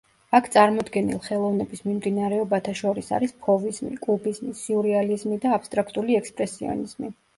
აქ წარმოდგენილ ხელოვნების მიმდინარეობათა შორის არის ფოვიზმი, კუბიზმი, სიურრეალიზმი და აბსტრაქტული ექსპრესიონიზმი.